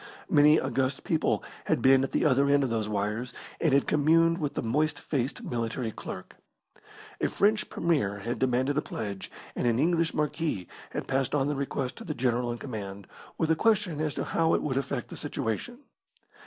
Many august people had been at the other end of those wires, and had communed with the moist faced military clerk. A French Premier had demanded a pledge, and an English marquis had passed on the request to the General in command, with a question as to how it would affect the situation.